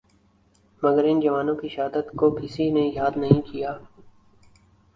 مگر ان جوانوں کی شہادت کو کسی نے یاد نہیں کیا